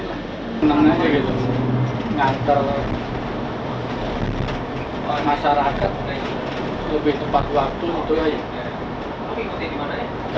menangnya gitu mengantar masyarakat lebih tepat waktu itu aja